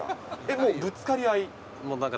もうぶつかり合い？